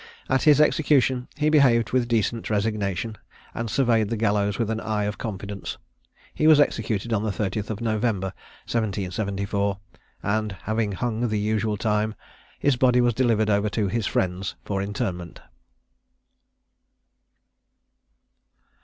At his execution, he behaved with decent resignation, and surveyed the gallows with an eye of confidence. He was executed on the 30th of November, 1774; and having hung the usual time, his body was delivered over to his friends for interment.